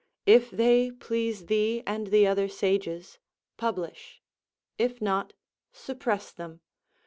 If they please thee and the other sages, publish; if not, suppress them.